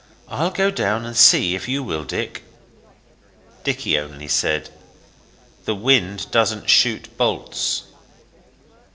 I'll go down and see, if you will, Dick.' Dicky only said 'The wind doesn't shoot bolts.